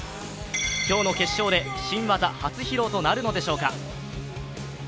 今日の決勝で新技初披露となるのでしょうか。